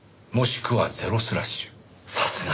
さすが！